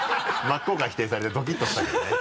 真っ向から否定されてドキッとしたけどね。